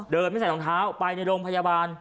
ไม่ใส่รองเท้าไปในโรงพยาบาล